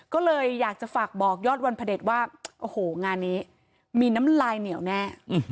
ก็เลยอยากจะฝากบอกยอดวันพระเด็จว่าโอ้โหงานนี้มีน้ำลายเหนียวแน่